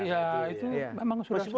ya itu memang sudah